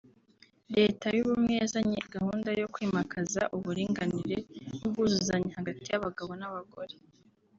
Leta y’Ubumwe yazanye gahunda yo kwimakaza uburinganire n’ubwuzuzanye hagati y’Abagabo n’abagore